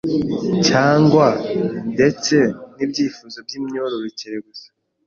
cyangwa ndetse n'ibyifuzo by'imyororokere gusa,